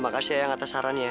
makasih eyang atas sarannya